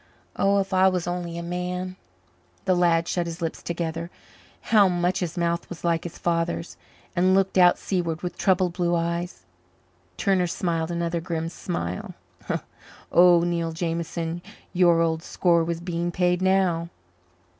Oh, if I was only a man!" The lad shut his lips together how much his mouth was like his father's and looked out seaward with troubled blue eyes. Turner smiled another grim smile. Oh, Neil Jameson, your old score was being paid now!